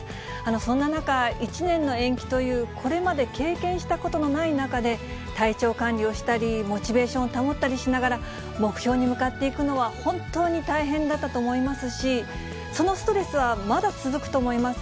そんな中、１年の延期という、これまで経験したことのない中で、体調管理をしたり、モチベーションを保ったりしながら、目標に向かっていくのは、本当に大変だったと思いますし、そのストレスはまだ続くと思います。